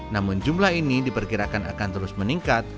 namun jumlah ini diperkirakan akan terus meningkat